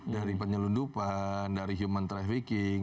dari penyelundupan dari human trafficking